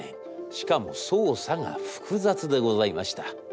しかも操作が複雑でございました。